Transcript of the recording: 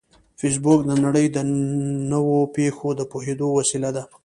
فېسبوک د نړۍ د نوو پېښو د پوهېدو وسیله ده